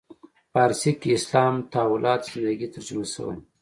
فارسي کې اسلام تحولات زندگی ترجمه شوی.